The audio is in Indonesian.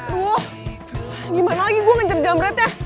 aduh gimana lagi gue ngejar jam rednya